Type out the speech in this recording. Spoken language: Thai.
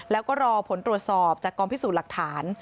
แล้วก็รอผลตรวจสอบจากกองพิสูจน์หลักฐาน